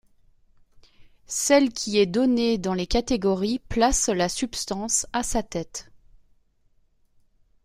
Celle qui est donnée dans Les Catégories place la substance à sa tête.